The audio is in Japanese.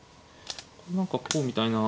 何かこうみたいな。